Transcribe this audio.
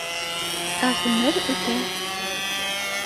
Ә ғүмер үтә